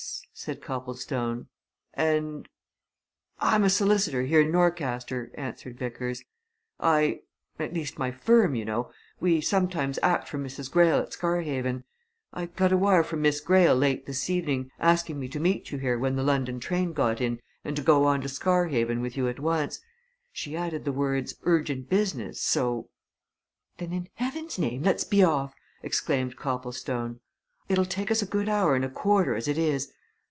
said Copplestone. "And " "I'm a solicitor, here in Norcaster," answered Vickers. "I at least, my firm, you know we sometimes act for Mrs. Greyle at Scarhaven. I got a wire from Miss Greyle late this evening, asking me to meet you here when the London train got in and to go on to Scarhaven with you at once. She added the words urgent business so " "Then in heaven's name, let's be off!" exclaimed Copplestone. "It'll take us a good hour and a quarter as it is.